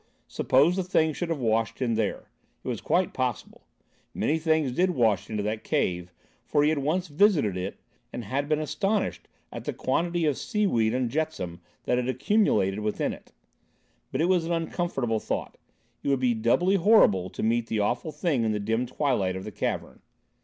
Suppose the thing should have washed in there. It was quite possible. Many things did wash into that cave, for he had once visited it and had been astonished at the quantity of seaweed and jetsam that had accumulated within it. But it was an uncomfortable thought. It would be doubly horrible to meet the awful thing in the dim twilight of the cavern.